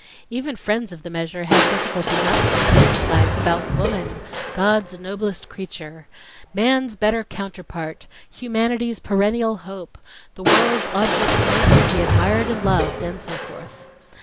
Even friends of the measure had difficulty not to romanticize about "Woman—God's noblest creature" ... "man's better counterpart" ... "humanity's perennial hope" ... "the world's object most to be admired and loved" ... and so forth.